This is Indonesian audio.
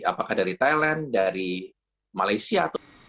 apakah dari thailand dari malaysia